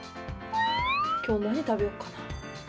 今日、何食べようかな。